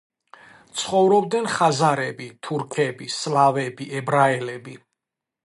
ცხოვრობდნენ ხაზარები, თურქები, სლავები, ებრაელები.